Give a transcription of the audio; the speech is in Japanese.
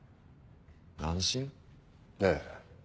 ええ。